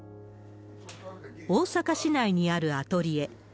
大阪市内にあるアトリエ。